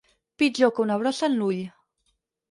Pitjor que una brossa en l'ull.